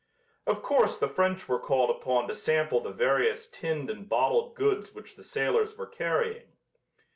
Of course the French were called upon to sample the various tinned and bottled goods which the sailors were carrying.